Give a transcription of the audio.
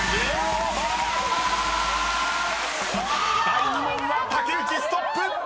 ［第２問は竹内ストップ］